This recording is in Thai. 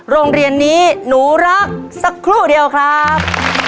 โรงเรียนนี้หนูรักสักครู่เดียวครับ